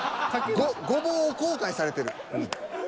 ゴボウを後悔されてる？